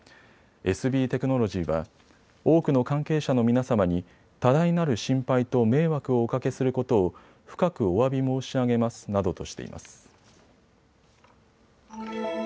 ＳＢテクノロジーは多くの関係者の皆様に多大なる心配と迷惑をおかけすることを深くおわび申し上げますなどとしています。